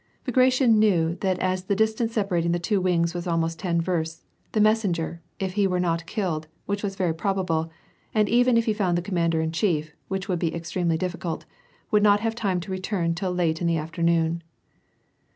Bagration knew that as the distance separating the two wings was almost ten Tersts, the messenger, if he were not killed, which was very probable, and even if he found the commander in chief, which would be extremely difficult, would not have time to return till late in the afternoon.